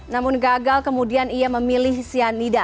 namun gagal kemudian ia memilih cyanida